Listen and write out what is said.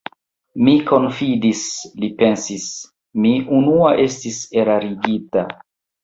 Mi konfidis, li pensis: mi unua estis erarigita.